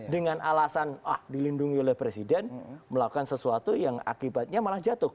dengan alasan dilindungi oleh presiden melakukan sesuatu yang akibatnya malah jatuh